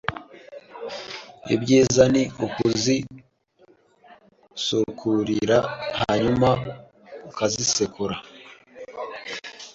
ibyiza ni ukuzisukurira hanyuma ukazisekura